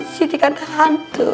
siti kata hantu